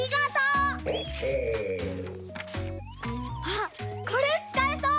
あっこれつかえそう！